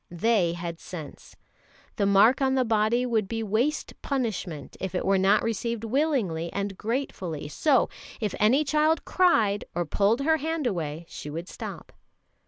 They had sense. The mark on the body would be waste punishment if it were not received willingly and gratefully; so if any child cried or pulled her hand away, she would stop.